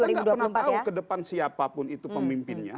kita tidak pernah tahu ke depan siapapun itu pemimpinnya